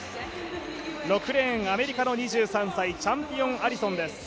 ６レーン、アメリカの２３歳チャンピオン・アリソンです。